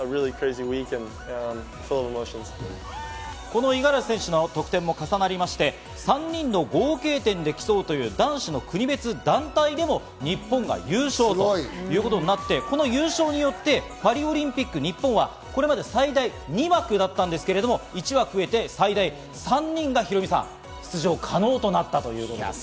この五十嵐選手の得点も重なりまして、３人の合計点で競うという男子の国別団体でも日本が優勝ということになって、優勝によってパリオリンピック、日本はこれまで最大２枠だったんですが１枠増えて最大３人がヒロミさん、出場可能となりました。